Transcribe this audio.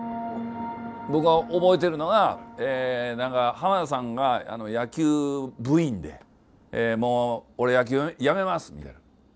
僕が覚えてるのは何か浜田さんが野球部員で「もう俺野球やめます」みたいな。